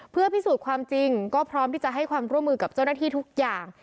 เพื่อพิสูจน์ความจริงก็พร้อมที่จะให้ความร่วมมือกับเจ้าหน้าที่ทุกอย่าง